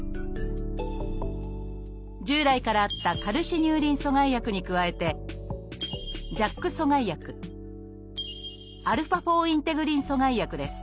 従来からあったカルシニューリン阻害薬に加えてＪＡＫ阻害薬αインテグリン阻害薬です。